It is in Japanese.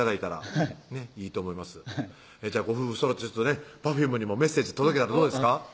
はいじゃあご夫婦そろってＰｅｒｆｕｍｅにもメッセージ届けたらどうですか？